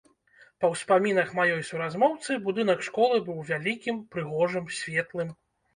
Па ўспамінах маёй суразмоўцы, будынак школы быў вялікім, прыгожым, светлым.